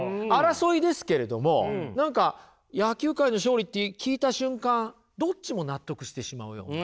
争いですけれども何か野球界の勝利って聞いた瞬間どっちも納得してしまうような。